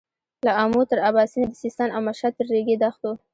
له امو تر اباسينه د سيستان او مشهد تر رېګي دښتو.